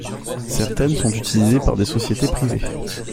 Certaines sont utilisées par des sociétés privées.